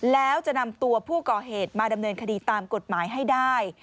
แล้วจะนำตัวผู้ก่อเหตุมาดำเนินคดีตามกฎหมายให้ได้